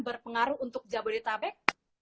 berpengaruh untuk jabodetabek